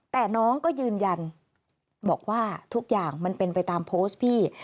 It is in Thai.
แต่น้องก็ยืนยันบอกว่าทุกอย่างมันเป็นไปตามโพสต์พี่